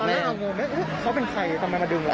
ตอนแรกออกโอ้โหเค้าเป็นใครทำไมมาดึง